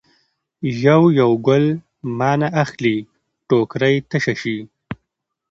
یو یو ګل مانه اخلي ټوکرۍ تشه شي.